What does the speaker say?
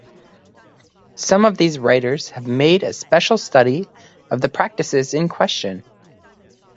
Some of these writers have made a special study of the practices in question.